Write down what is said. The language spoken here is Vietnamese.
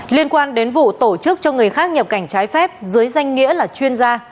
liên quan đến vụ tổ chức cho người khác nhập cảnh trái phép dưới danh nghĩa là chuyên gia